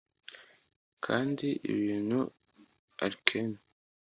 kandi ibintu arcane;